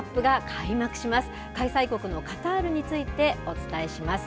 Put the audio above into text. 開催国のカタールについて、お伝えします。